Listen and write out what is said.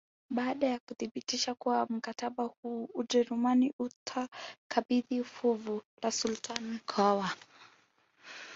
Baada ya kuthibitishwa kwa mkataba huu Ujerumani utakabidhi fuvu la sultani Mkwawa